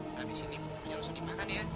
habisin ini buburnya langsung dimakan ya